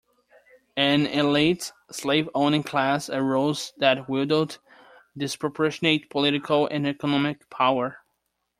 An elite slave-owning class arose that wielded disproportionate political and economic power.